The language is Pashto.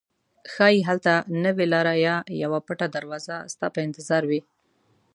ښایي هلته نوې لاره یا یوه پټه دروازه ستا په انتظار وي.